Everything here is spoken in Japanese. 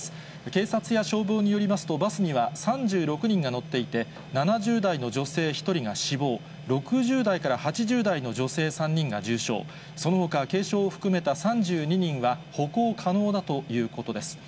警察や消防によりますと、バスには３６人が乗っていて、７０代の女性１人が死亡、６０代から８０代の女性３人が重傷、そのほか軽傷を含めた３２人は歩行可能だということです。